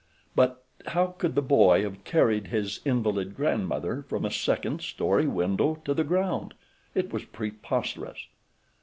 But how could the boy have carried his invalid grandmother from a second story window to the ground? It was preposterous.